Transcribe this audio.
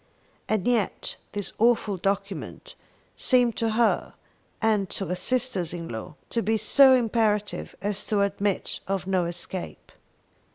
And yet this awful document seemed to her and to her sisters in law to be so imperative as to admit of no escape.